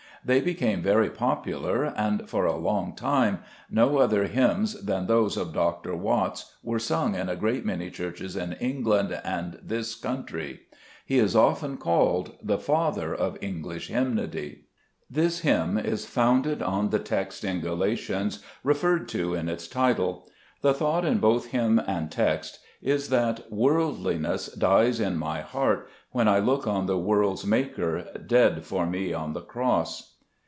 They became very popular, and for a long time no other hymns than those of Dr. Watts were sung in a great many churches in England and this country. He is often called "the Father of English Hymnody. '' 5 £be JBest Gburcb IbEtnns* This hymn is founded on the text in Galatians referred to in its title. The thought in both hymn and text is that " worldliness dies in my heart when I look on the world's Maker dead for me on the cross."